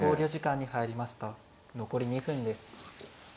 残り２分です。